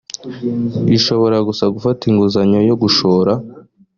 ishobora gusa gufata inguzanyo yo gushora